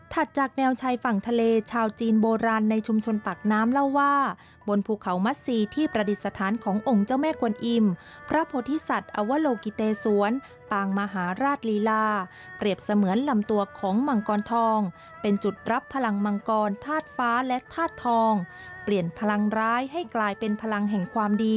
จากแนวชายฝั่งทะเลชาวจีนโบราณในชุมชนปากน้ำเล่าว่าบนภูเขามัสซีที่ประดิษฐานขององค์เจ้าแม่กวนอิมพระโพธิสัตว์อวโลกิเตสวนปางมหาราชลีลาเปรียบเสมือนลำตัวของมังกรทองเป็นจุดรับพลังมังกรธาตุฟ้าและธาตุทองเปลี่ยนพลังร้ายให้กลายเป็นพลังแห่งความดี